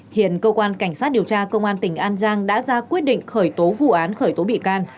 hiện cơ quan cảnh sát điều tra công an tỉnh an giang đã ra quyết định khởi tố vụ án khởi tố bị can